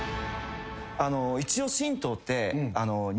一応。